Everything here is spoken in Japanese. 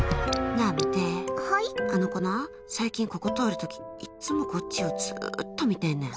あの子、最近ここ通るときいっつもこっちをずっと見てんねん。